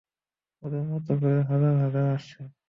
ওদের মতো আরো হাজার হাজার আসছে।